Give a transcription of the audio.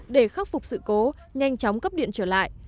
để khắc phục sự cố nhanh chóng cấp điện trở lại